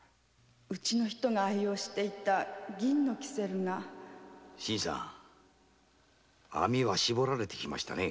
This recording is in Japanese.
うちの人が愛用していた銀のきせるが新さん網はしぼられて来ましたね。